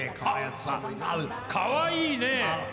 かわいいね！